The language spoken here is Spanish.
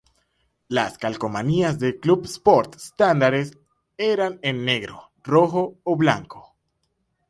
Las calcomanías de Club Sports estándares eran en negro, rojo o blanco.